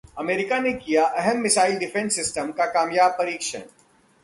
America ने किया अहम मिसाइल डिफेंस सिस्टम का कामयाब परीक्षण